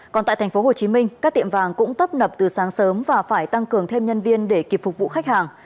còn tại tp hcm các tiệm vàng cũng tấp nập từ sáng sớm và phải tăng cường thêm nhân viên để kịp phục vụ khách hàng